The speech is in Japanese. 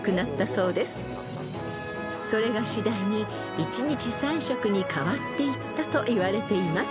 ［それが次第に１日３食に変わっていったといわれています］